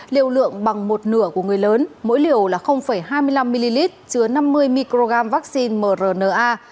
liều lượng bằng một nửa của người lớn mỗi liều là hai mươi năm ml chứa năm mươi microgram vaccine mrna